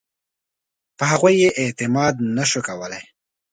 په هغوی یې اعتماد نه شو کولای.